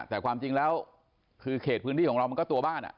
แต่ความจริงแล้วคือเขตพื้นที่ของเรามันก็ตัวบ้าน